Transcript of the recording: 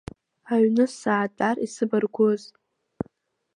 Аҩны саатәар исыбаргәыз!